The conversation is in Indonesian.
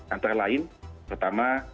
antara lain pertama